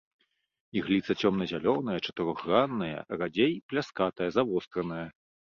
Ігліца цёмна-зялёная, чатырохгранная, радзей, пляскатая, завостраная.